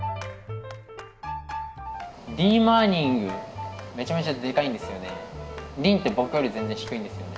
リー・マニングめちゃめちゃでかいんですよね。